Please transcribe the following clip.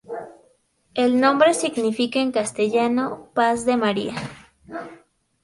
El nombre significa en castellano "paz de María".